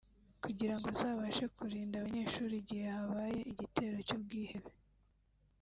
kugira ngo bazabashe kurinda abanyeshuli igihe habaye igitero cy’ubwihebe